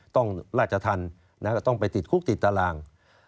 ต้องราชทันต้องไปติดคุกติดตาราง